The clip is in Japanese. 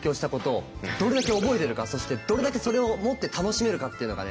そしてどれだけそれをもって楽しめるかっていうのがね